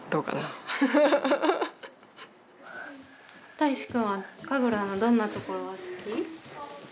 たいしくんは神楽のどんなところが好き？